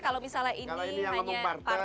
kalau misalnya ini hanya para